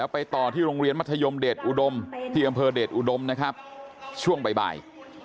ไปต่อที่โรงเรียนมัธยมเดชอุดมที่อำเภอเดชอุดมนะครับช่วงบ่าย